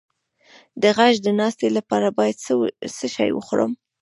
د غږ د ناستې لپاره باید څه شی وخورم؟